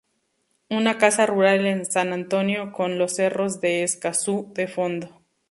Una casa rural en San Antonio, con los Cerros de Escazú de fondo.